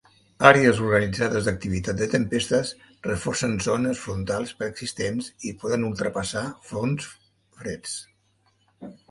Àrees organitzades d'activitat de tempestes reforcen zones frontals preexistents i poden ultrapassar fronts freds.